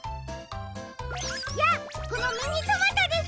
じゃあこのミニトマトです。